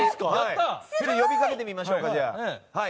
呼びかけてみましょう。